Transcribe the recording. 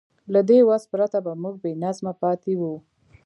له دې وس پرته به موږ بېنظمه پاتې وو.